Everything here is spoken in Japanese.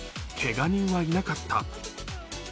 けが人はいなかった。